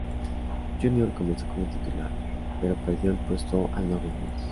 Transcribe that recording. Junior comenzó como titular, pero perdió el puesto al no rendir.